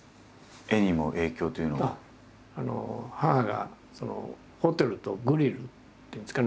母がホテルとグリルっていうんですかね